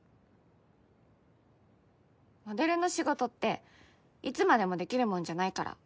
モデルの仕事っていつまでもできるもんじゃないから。